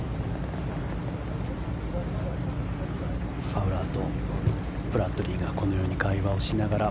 ファウラーとブラッドリーがこのように会話しながら。